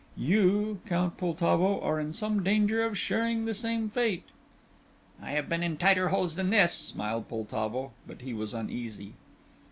You, Count Poltavo, are in some danger of sharing the same fate." "I have been in tighter holes than this," smiled Poltavo, but he was uneasy.